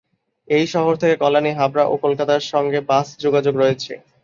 এই শহর থেকে কল্যাণী, হাবড়া ও কলকাতার সঙ্গে বাস যোগাযোগ রয়েছে।